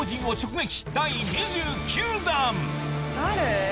誰？